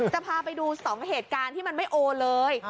จะพาไปดู๒เหตุการณ์ที่มันไม่โอนเลย